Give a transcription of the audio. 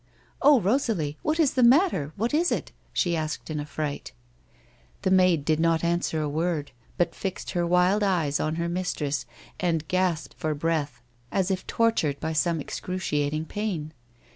"Oh. Rosalie! What is the matter? what is it?" she asked in alVright. Tlie maid did not answer a worii, but fixed her wild eyes on her mistress and gasped for breath, as if tortured by some excruciating pain.